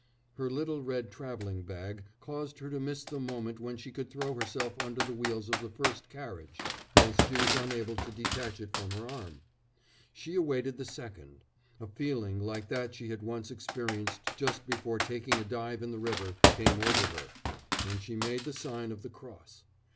"Her little red travelling bag caused her to miss the moment when she could throw herself under the wheels of the first carriage, as she was unable to detach it from her arm. She awaited the second. A feeling like that she had once experienced just before taking a dive in the river came over her, and she made the sign of the cross.